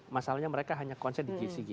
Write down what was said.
masalahnya mereka hanya konsen di gizigi